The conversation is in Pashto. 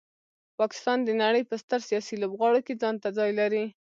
پاکستان د نړۍ په ستر سیاسي لوبغاړو کې ځانته ځای لري.